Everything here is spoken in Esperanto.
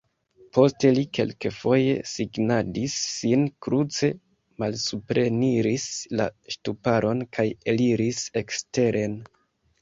Poste li kelkfoje signadis sin kruce, malsupreniris la ŝtuparon kaj eliris eksteren.